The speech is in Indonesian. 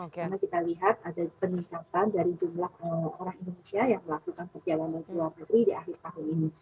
karena kita lihat ada peningkatan dari jumlah orang indonesia yang melakukan perjalanan ke luar negeri di akhir tahun ini